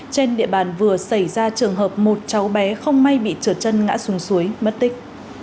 trên địa bàn vừa xảy ra trường hợp một cháu bé không may bị trượt chân ngã xuống suối mất tích